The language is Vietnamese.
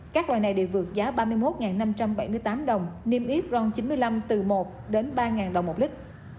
các loại này đều vượt giá ba mươi một năm trăm bảy mươi tám đồng niêm yết ron chín mươi năm từ một đến ba đồng một lít